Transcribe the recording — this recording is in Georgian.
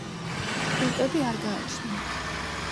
ფილტვები არ გააჩნიათ.